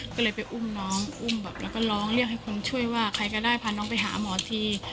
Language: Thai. ก็เลยไปอุ้มน้องอุ้มแบบแล้วก็ร้องเรียกให้คนช่วยว่าใครก็ได้พาน้องไปหาหมอที